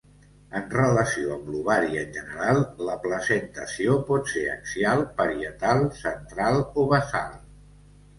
En relació amb l'ovari en general, la placentació pot ser axial, parietal, central o basal.